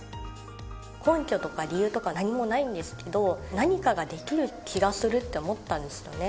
根拠とか理由とか何もないんですけど何かができる気がするって思ったんですよね。